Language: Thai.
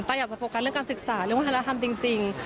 อยากจะโฟกัสเรื่องการศึกษาเรื่องวัฒนธรรมจริง